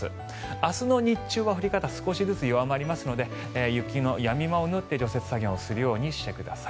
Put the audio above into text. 明日の日中は降り方少しずつ弱まりますので雪のやみ間を縫って除雪作業をするようにしてください。